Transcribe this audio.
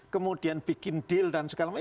kemudian bikin deal dan segala macam